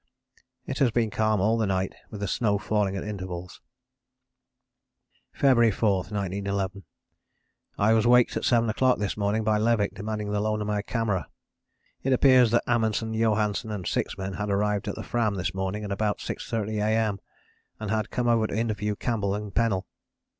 "It has been calm all the night with the snow falling at intervals. "February 4, 1911. I was waked at seven o'clock this morning by Levick demanding the loan of my camera. It appears that Amundsen, Johansen and six men had arrived at the Fram this morning at about 6.30 A.M., and had come over to interview Campbell and Pennell.